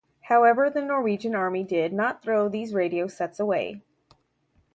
However the Norwegian Army did not throw these radio sets away.